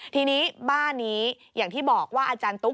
ทีนี้บ้านนี้อย่างที่บอกว่าอาจารย์ตุ๊ก